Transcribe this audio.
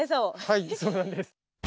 はいそうなんです。